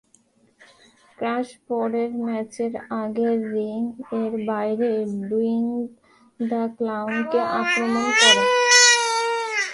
Crush পরের ম্যাচের আগে রিং এর বাইরে ডুইংক দ্য ক্লাউনকে আক্রমণ করে।